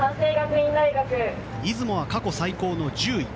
出雲は過去最高の１０位。